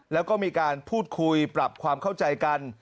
แล้วก็มีการพูดคุยปรับความเข้าใจกัน